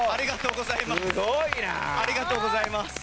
ありがとうございます。